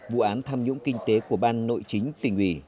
vụ án tham nhũng kinh tế của ban nội chính tỉnh ủy